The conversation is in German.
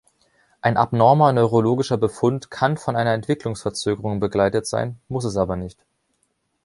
Ein abnormer neurologischer Befund kann von einer Entwicklungsverzögerung begleitet sein, muss es aber nicht.